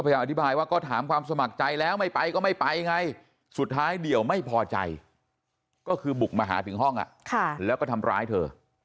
อธิบายว่าก็ถามความสมัครใจแล้วไม่ไปก็ไม่ไปไงสุดท้ายเดี่ยวไม่พอใจก็คือบุกมาหาถึงห้องแล้วก็ทำร้ายเธอ